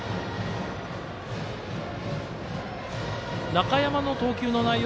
中山の投球の内容